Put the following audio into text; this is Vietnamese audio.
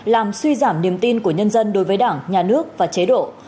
làm suy giảm niềm tin của nhân dân đối với đảng nhà nước và chế độ